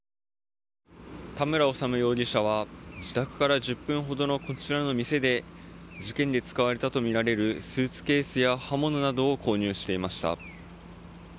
田村修容疑者は自宅から１０分ほどのこちらの店で事件で使われたとみられるスーツケースや刃物などを購入していました。